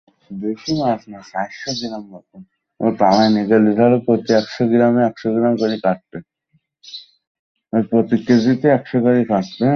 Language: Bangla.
আর এই কবিতার পিঠে ডানা জুড়ে দিতে শুরু করলেন গান।